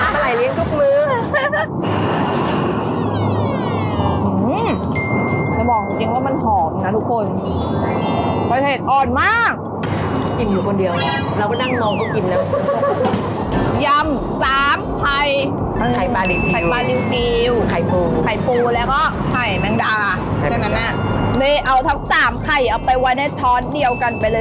เลี้ยงทุกมื้อแหละมาไล่เลี้ยงทุกมื้อ